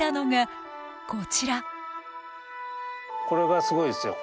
これがすごいですよ。